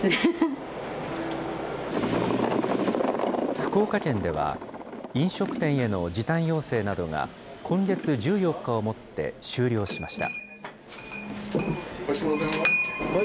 福岡県では、飲食店への時短要請などが今月１４日をもって終了しました。